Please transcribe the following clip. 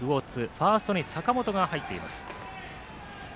ファーストに坂本が入っています。